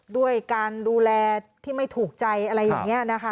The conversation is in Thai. ด้วยการดูแลที่ไม่ถูกใจอะไรอย่างนี้นะคะ